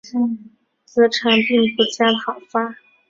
子产并不加讨伐。